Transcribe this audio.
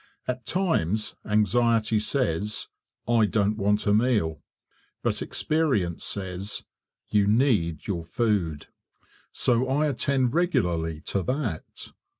At times anxiety says, "I don't want a meal," but experience says "you need your food," so I attend regularly to that.